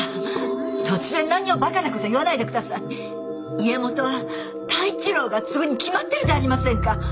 家元は太一郎が継ぐに決まってるじゃありませんか。